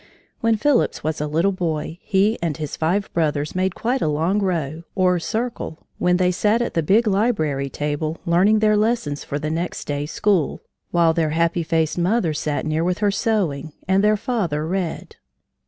When Phillips was a little boy, he and his five brothers made quite a long row, or circle, when they sat at the big library table learning their lessons for the next day's school, while their happy faced mother sat near with her sewing, and their father read.